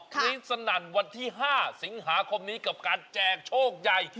รีสนั่นวันที่๕สิงหาคมนี้กับการแจกโชคใหญ่